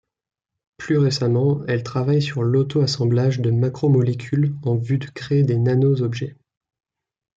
Plus récemment, elle travaille sur l'auto-assemblage de macromolécules en vue de créer des nano-objets.